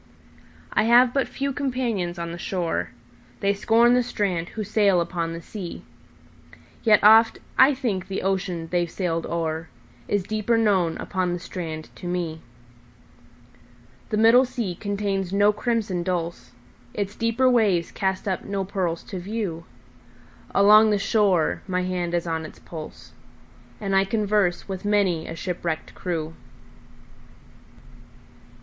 I have but few companions on the shore:They scorn the strand who sail upon the sea; Yet oft I think the ocean they've sailed o'erIs deeper known upon the strand to me. The middle sea contains no crimson dulse, Its deeper waves cast up no pearls to view; Along the shore my hand is on its pulse, And I converse with many a shipwrecked crew.